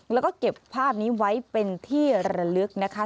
แล้วก็เก็บภาพนี้ไว้เป็นที่ระลึกนะคะ